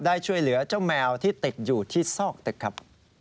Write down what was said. ได้ช่วยเหลือเจ้าแมวที่ติดอยู่ที่ซอกตึกครับ